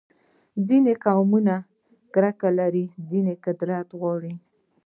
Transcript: ځینې قومي کرکه لري، ځینې قدرت غواړي.